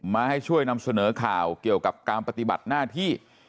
มาให้ช่วยนำเสนอข่าวเกี่ยวกับการปฏิบัติหน้าที่